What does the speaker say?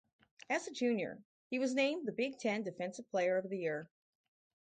As a junior, he was named the Big Ten Defensive Player of the Year.